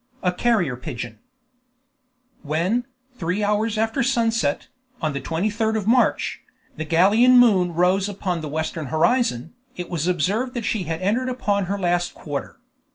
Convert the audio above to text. A CARRIER PIGEON When, three hours after sunset, on the 23d of March, the Gallian moon rose upon the western horizon, it was observed that she had entered upon her last quarter.